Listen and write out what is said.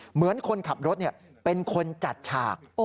เหมือนคนขับรถเป็นคนจัดฉาก